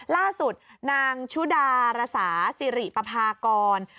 ล่าสุดนางชุดาระสาสิริปภากร